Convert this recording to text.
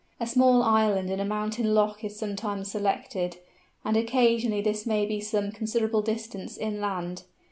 A small island in a mountain loch is sometimes selected, and occasionally this may be some considerable distance inland.